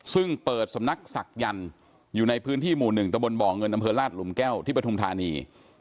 ซึ่งเปิดสำนักศักดิ์อยู่ในพื้นที่หมู่๑ตะบนบ่อเงินอำเภอลาดหลุมแก้วที่ปฐุมธานี